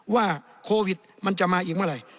ว่าโควิดมันจะมาอีกเมื่อไหร่